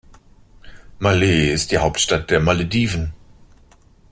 Malé ist die Hauptstadt der Malediven.